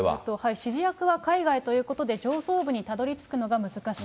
指示役は海外ということで、上層部にたどりつくのが難しい。